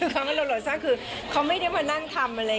คือความหลบหลบซ่อนซ่อนคือเขาไม่ได้มานั่งทำอะไร